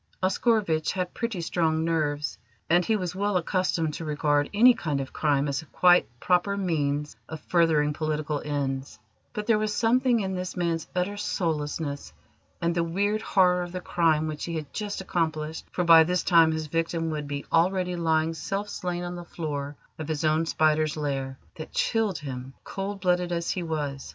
Oscarovitch had pretty strong nerves, and he was well accustomed to regard any kind of crime as a quite proper means of furthering political ends: but there was something in this man's utter soullessness and the weird horror of the crime which he had just accomplished for by this time his victim would be already lying self slain on the floor of his own spider's lair that chilled him, cold blooded as he was.